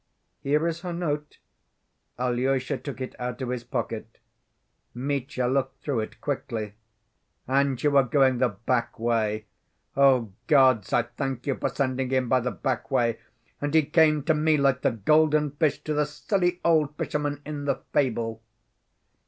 "Here is her note." Alyosha took it out of his pocket. Mitya looked through it quickly. "And you were going the back‐way! Oh, gods, I thank you for sending him by the back‐way, and he came to me like the golden fish to the silly old fishermen in the fable!